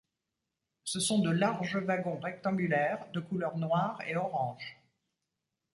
Ce sont de larges wagons rectangulaires de couleurs noire et orange.